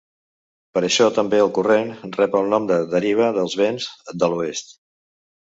Per això també el corrent rep el nom de Deriva dels Vents de l'Oest.